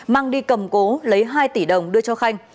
mang đi cầm cố lấy hai tỷ đồng đưa cho khanh